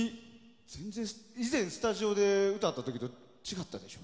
以前、スタジオで歌った時と違ったでしょ？